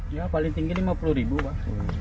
ya paling tinggi lima puluh ribu pak